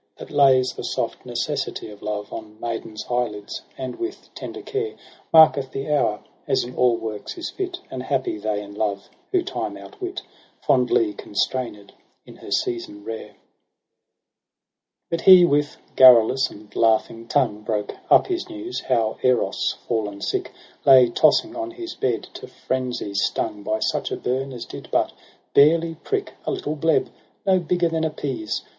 That lays the soft necessity of Love On maidens' eyelids, and with tender care Marketh the hour, as in all works is fit : And happy they in love who time outwit, Fondly constrained in her season rare. lyo EROS 6 PSYCHE 9 But he with garrulous and laughing tongue Broke up his news ; how Eros, fallen sick. Lay tossing on his bed, to frenzy stung By such a burn as did but barely prick : A little bleb, no bigger than a pease.